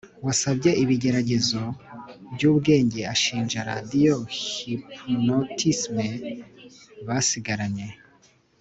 wasabye ibigeragezo byubwenge ashinja radio hypnotism basigaranye